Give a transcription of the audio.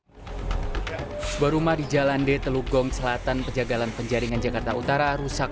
hai berumah di jalan d teluk gong selatan pejagalan penjaringan jakarta utara rusak